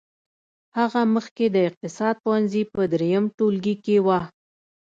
هغه مخکې د اقتصاد پوهنځي په دريم ټولګي کې وه.